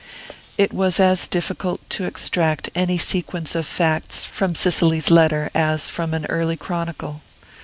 It was as difficult to extract any sequence of facts from Cicely's letter as from an early chronicle.